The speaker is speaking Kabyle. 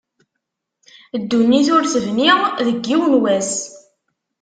Ddunit ur tebni deg yiwen wass.